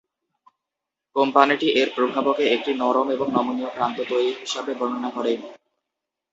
কোম্পানিটি এর প্রভাবকে "একটি নরম এবং নমনীয় প্রান্ত তৈরি" হিসাবে বর্ণনা করে।